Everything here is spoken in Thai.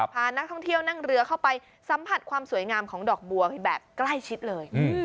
พานักท่องเที่ยวนั่งเรือเข้าไปสัมผัสความสวยงามของดอกบัวแบบใกล้ชิดเลย